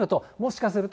もしかすると、